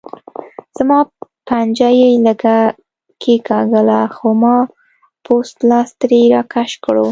زما پنجه یې لږه کېګاږله خو ما پوست لاس ترې راکش کړو.